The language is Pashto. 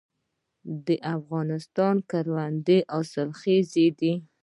د افغانستان کروندې حاصلخیزه دي